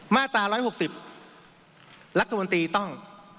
มาตรา๑๖๐รัฐมนตรีต้อง